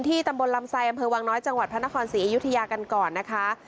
ตำบลลำไซดอำเภอวังน้อยจังหวัดพระนครศรีอยุธยากันก่อนนะคะ